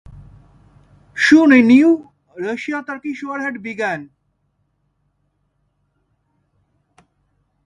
Soon, a new Russo-Turkish war had begun.